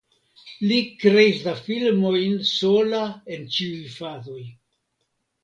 Li kreis la filmojn sola en ĉiuj fazoj.